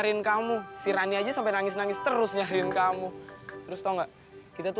sampai jumpa di video selanjutnya